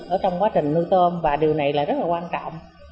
ở trong quá trình nuôi tôm và điều này là rất là quan trọng